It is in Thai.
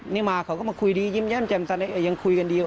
นี่มาเขาก็มาคุยดียิ้มแย้มแจ่มใสยังคุยกันดี